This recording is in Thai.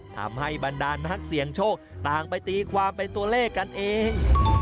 บรรดานนักเสี่ยงโชคต่างไปตีความเป็นตัวเลขกันเอง